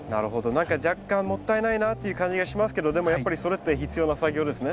何か若干もったいないなっていう感じがしますけどでもやっぱりそれって必要な作業ですね。